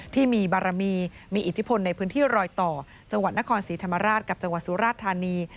ที่มีบารมีมีอิทธิพลในพื้นที่รอยต่อจังหวัดนครศรีธรรมราชกับจังหวัดสุราชธานี